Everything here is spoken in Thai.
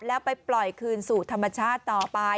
แล้วไปปล่อยคืนสู่ธรรมชาติต่อไป